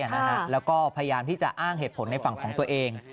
แล้วก็พยายามที่จะอ้างเหตุผลในฝั่งของตัวเอง